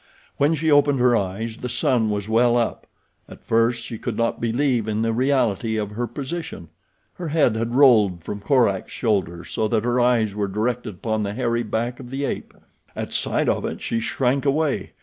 When she opened her eyes the sun was well up. At first she could not believe in the reality of her position. Her head had rolled from Korak's shoulder so that her eyes were directed upon the hairy back of the ape. At sight of it she shrank away.